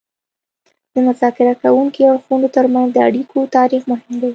د مذاکره کوونکو اړخونو ترمنځ د اړیکو تاریخ مهم دی